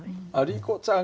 リコちゃん